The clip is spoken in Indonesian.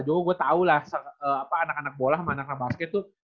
gue gue tau lah anak anak bola sama anak sama basket tuh